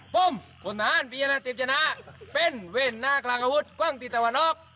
ผมฝนทหารพญานาธิปชนะเป็นเว่นหน้ากลางอาวุธกว้างตีตะวันออก